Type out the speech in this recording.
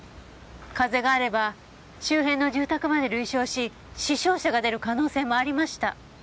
風があれば周辺の住宅まで類焼し死傷者が出る可能性もありました。